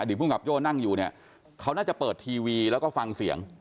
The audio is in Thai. ภูมิกับโจ้นั่งอยู่เนี่ยเขาน่าจะเปิดทีวีแล้วก็ฟังเสียง